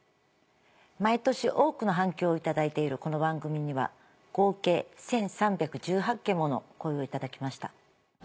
毎年多くの反響を頂いているこの番組には合計１３１８件もの声を頂きました。